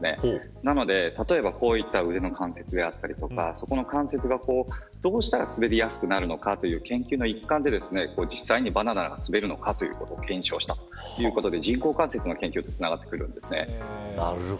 なので腕の関節であったりそういった関節がどうしたら滑りやすくなるかという研究の一環で実際にバナナが滑るのかということを研究したので人工関節の研究につながっていきます。